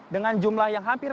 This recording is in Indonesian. dengan jumlah yang hampir